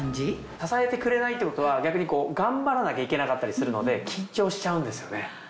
支えてくれないってことは逆に頑張らなきゃいけなかったりするので緊張しちゃうんですよね。